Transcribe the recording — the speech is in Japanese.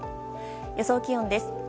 予想気温です。